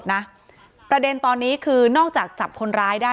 อ๋อเจ้าสีสุข่าวของสิ้นพอได้ด้วย